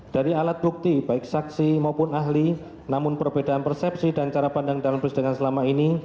dari alat bukti baik saksi maupun ahli namun perbedaan persepsi dan cara pandang dalam persidangan selama ini